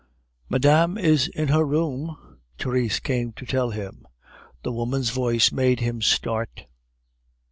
"Madame is in her room," Therese came to tell him. The woman's voice made him start.